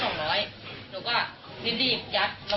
ของมันตกอยู่ด้านนอก